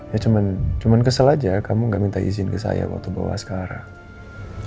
ya cuma kesel aja kamu nggak minta izin ke saya waktu bawa sekarang